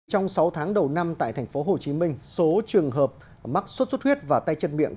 trong sáu tháng đầu năm tại tp hcm số trường hợp mắc sốt xuất huyết và tay chân miệng